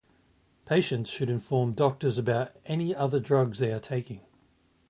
Patients should inform doctors about any other drugs they are taking.